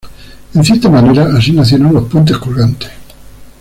En cierta manera así nacieron los puentes colgantes.